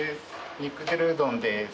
肉汁うどんです。